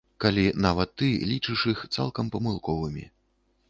Калі нават ты лічыш іх цалкам памылковымі.